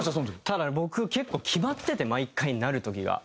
ただ僕結構決まってて毎回なる時が。